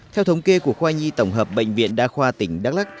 theo thống kê của khoa nhi tổng hợp bệnh viện đa khoa tỉnh đắk lắc